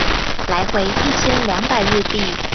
來回一千兩百日幣